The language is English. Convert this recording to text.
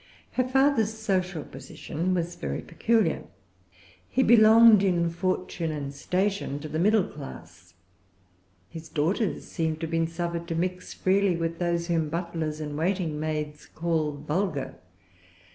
Her father's social position was very peculiar. He belonged in fortune and station to the middle class. His daughters seemed to have been suffered to mix freely with those whom butlers and waiting maids call vulgar.